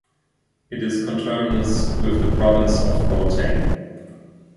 It is conterminous with the province of Gauteng.